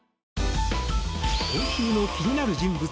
今週の気になる人物